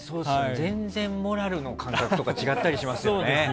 全然、モラルの感覚とか違ったりしますもんね。